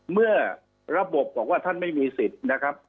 เมื่อระบบบอกว่าท่านไม่มีสิทธิ์นะครับ